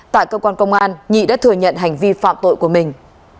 tại cơ quan công an nhị đã thừa nhận hành vi phạm tội của mình